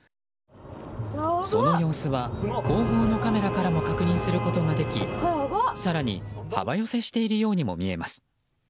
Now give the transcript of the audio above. その様子は後方のカメラからも確認することができ更に、幅寄せしているようにも見えます。